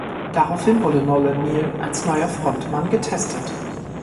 Daraufhin wurde Nolan Neal als neuer Frontmann getestet.